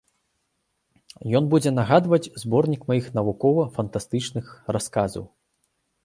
Ён будзе нагадваць зборнік маіх навукова-фантастычных расказаў.